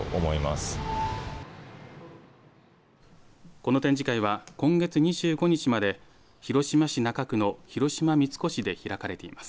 この展示会は、今月２５日まで広島市中区の広島三越で開かれています。